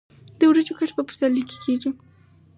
د وریجو کښت په پسرلي کې کیږي.